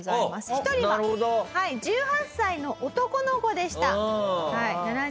一人は１８歳の男の子でした。